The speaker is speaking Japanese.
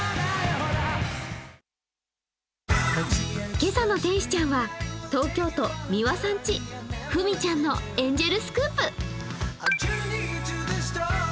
今朝の天使ちゃんは東京都・三輪さん家ふみちゃんのエンジェルスクープ。